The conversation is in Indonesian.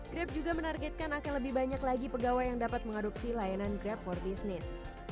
grab juga menargetkan akan lebih banyak lagi pegawai yang dapat mengadopsi layanan grab for business